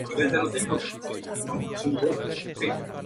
Para los obispos anteriores, ver diócesis de Minas.